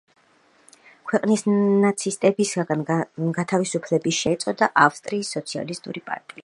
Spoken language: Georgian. ქვეყნის ნაცისტებისაგან გათავისუფლების შემდეგ პარტია აღსდგა და ეწოდა ავსტრიის სოციალისტური პარტია.